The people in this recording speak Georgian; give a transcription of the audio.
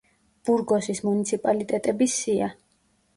ბურგოსის მუნიციპალიტეტების სია.